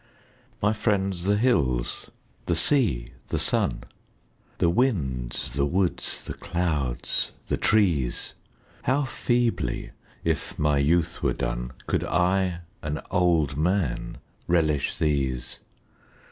My friends the hills, the sea, the sun, The winds, the woods, the clouds, the trees How feebly, if my youth were done, Could I, an old man, relish these